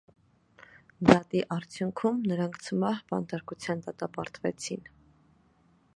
Դատի արդյունքում նրանք ցմահ բանտարկության դատապարտվեցին։